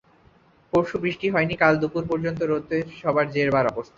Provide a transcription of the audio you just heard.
পরশু বৃষ্টি হয়নি, কালও দুপুর পর্যন্ত প্রচণ্ড রোদে সবার জেরবার অবস্থা।